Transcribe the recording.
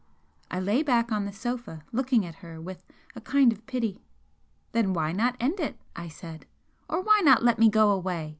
I lay back on the sofa looking at her with a kind of pity. "Then why not end it?" I said "Or why not let me go away?